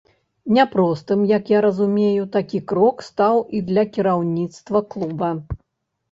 Няпростым, як я разумею, такі крок стаў і для кіраўніцтва клуба.